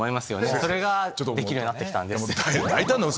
それができるようになってきたんです。